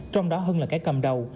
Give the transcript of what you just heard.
trong đó hưng là cái cầm đầu